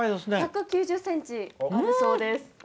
１９０ｃｍあるそうです。